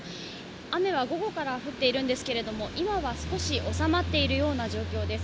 雨は午後から降っているんですけど、今は少しおさまっているような状況です。